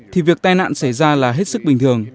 thì việc tai nạn xảy ra là hết sức bình thường